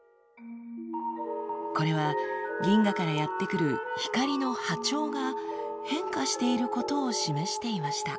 これは銀河からやって来る光の波長が変化していることを示していました。